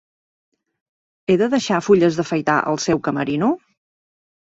He de deixar fulles d'afaitar al seu camerino?